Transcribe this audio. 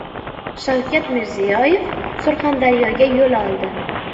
Shavkat Mirziyoev Surxondaryoga yo‘l oldi